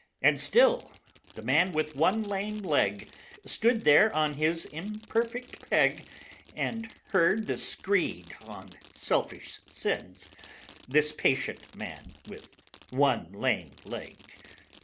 And still the Man with One Lame Leg Stood there on his imperfect peg And heard the screed on selfish sins This patient Man with One Lame Leg.